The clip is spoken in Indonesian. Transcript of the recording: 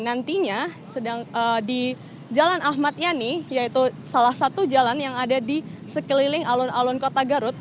nantinya di jalan ahmad yani yaitu salah satu jalan yang ada di sekeliling alun alun kota garut